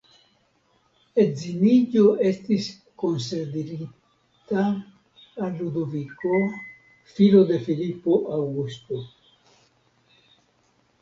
Edziniĝo estis konsiderita al Ludoviko, filo de Filipo Aŭgusto.